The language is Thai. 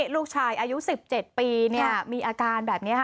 ลูกชายอายุ๑๗ปีมีอาการแบบนี้ค่ะ